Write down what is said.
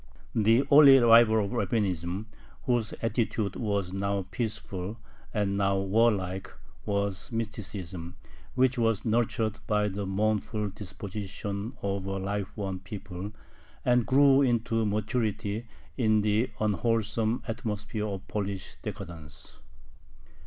The only rival of Rabbinism, whose attitude was now peaceful and now warlike, was Mysticism, which was nurtured by the mournful disposition of a life worn people, and grew into maturity in the unwholesome atmosphere of Polish decadence.